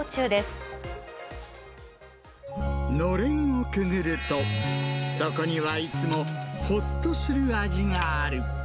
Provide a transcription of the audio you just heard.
のれんをくぐると、そこにはいつもほっとする味がある。